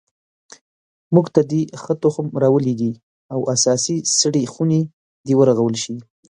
موږ ته دې ښه تخم را ولیږي او اساسي سړې خونې دې ورغول شي